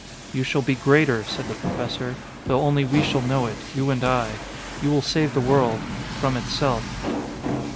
"You shall be greater," said the Professor, "though only we shall know it you and I.... You will save the world from itself."